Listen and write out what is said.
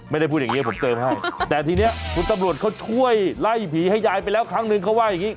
ไม่ได้พูดอย่างนี้ผมเติมให้แต่ทีนี้คุณตำรวจเขาช่วยไล่ผีให้ยายไปแล้วครั้งนึงเขาว่าอย่างนี้